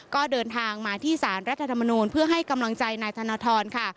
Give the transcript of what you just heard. ก็เดินทางมาที่สารรัฐธรรมนูลเพื่อให้กำลังใจนายธนทรค่ะ